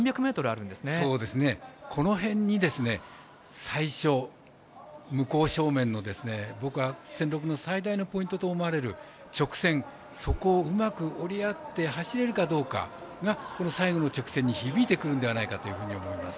この辺に、最初向正面の僕は１６００の最大のポイントと思われる直線、そこをうまく折り合って走れるかどうかがこの最後の直線に響いてくるんじゃないかなと思います。